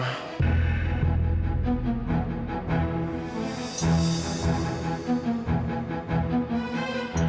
tidak ada apa apa